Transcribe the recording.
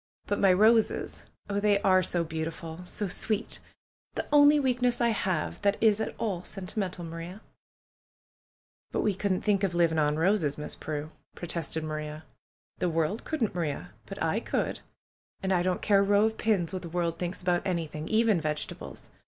"But my roses ! Oh, they are so beautiful ! So sweet ! The only weakness I have that is at all sentimental, Maria !" "But we couldn't think of living on roses. Miss Prue!" protested Maria. "The world couldn't, Maria. But I could. And I don't care a row of pins what the world thinks about anything, even vegetables.